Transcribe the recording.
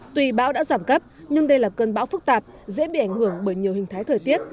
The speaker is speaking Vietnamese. tuy bão đã giảm cấp nhưng đây là cơn bão phức tạp dễ bị ảnh hưởng bởi nhiều hình thái thời tiết